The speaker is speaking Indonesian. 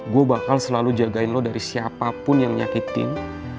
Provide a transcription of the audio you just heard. gue bakal selalu jagain lo dari siapa yang nge bank lo put